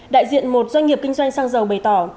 đại diện một doanh nghiệp kinh doanh xăng dầu bày tỏ